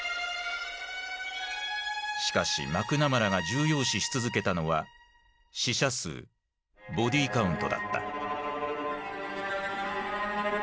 しかしマクナマラが重要視し続けたのは死者数ボディカウントだった。